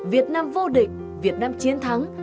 việt nam vô địch việt nam chiến thắng